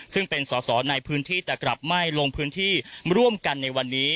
ซึ่งเป็นสอบในพื้นที่แบบยังไปร่วมกันในวันนี้